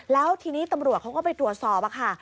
แล้วทีนี้ตำรวจเขาก็ไปตรวจสอบค่ะ